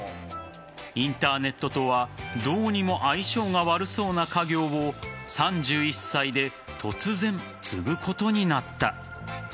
インターネットとはどうにも相性が悪そうな家業を３１歳で突然継ぐことになった。